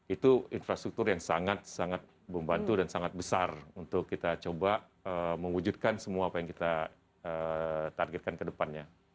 itu infrastruktur yang sangat sangat membantu dan sangat besar untuk kita coba mewujudkan semua apa yang kita targetkan ke depannya